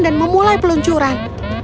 dan memulai peluncuran